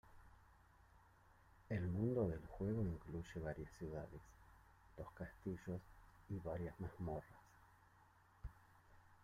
El mundo del juego incluye varias ciudades, dos castillos, y varias mazmorras.